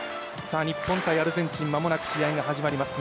日本×アルゼンチン間もなく試合が始まります。